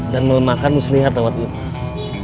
dan melemahkan muslihat lewat ipas